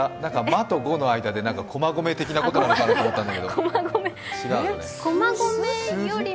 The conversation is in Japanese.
マとゴの間で駒込的なことかなと思ったんだけど。